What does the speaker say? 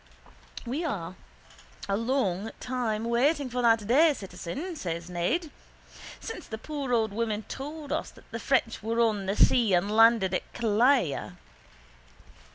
—We are a long time waiting for that day, citizen, says Ned. Since the poor old woman told us that the French were on the sea and landed at Killala.